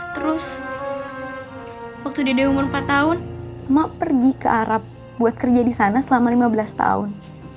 terus waktu dede umur empat tahun mak pergi ke arab buat kerja di sana selama lima belas tahun